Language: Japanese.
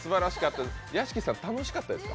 屋敷さん、楽しかったですか？